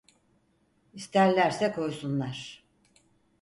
İsterlerse koysunlar…